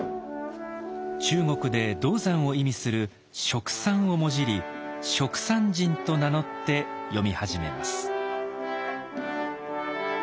中国で銅山を意味する「蜀山」をもじり蜀山人と名乗って詠み始めます。